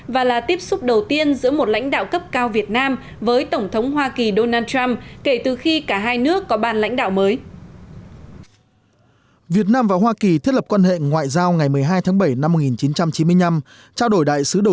và là tiếp xúc đầu tiên giữa một lãnh đạo cấp cao việt nam với tổng thống hoa kỳ donald trump kể từ khi cả hai nước có ban lãnh đạo mới